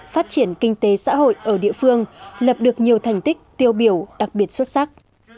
phát triển kinh tế xã hội ở địa phương lập được nhiều thành tích tiêu biểu đặc biệt xuất sắc